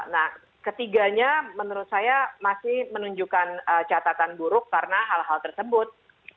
nah ketiganya menurut saya masih menunjukkan catatan buruk karena hal hal tersebut